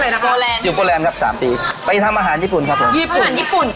นะครับโบแลนด์อยู่โบแลนด์ครับสามปีไปทำอาหารญี่ปุ่นครับผมอาหารญี่ปุ่น